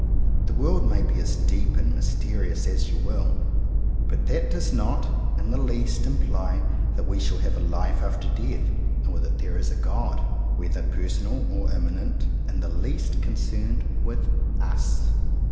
The world may be as deep and mysterious as you will, but that does not in the least imply that we shall have a life after death or that there is a God, whether personal or immanent, in the least concerned 44 JOHN COWPER POWYS with US.